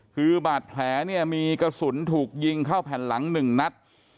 คือบาดแผลเนี่ยมีกระสุนถูกยิงเข้าแผ่นหลัง๑นัด